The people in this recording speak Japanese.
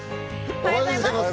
おはようございます。